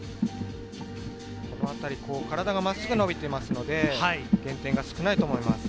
このあたり、体がまっすぐ伸びていますので、減点が少ないと思います。